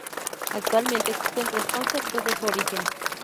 Actualmente existen tres conceptos de su origen.